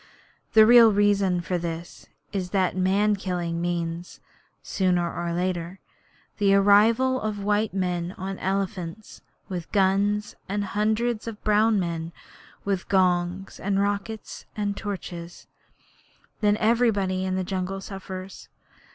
The real reason for this is that man killing means, sooner or later, the arrival of white men on elephants, with guns, and hundreds of brown men with gongs and rockets and torches. Then everybody in the jungle suffers.